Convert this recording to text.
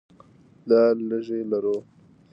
دا لږې لرو.